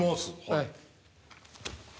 はい。